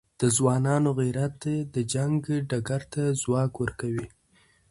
د ځوانانو غیرت د جنګ ډګر ته ځواک ورکوي.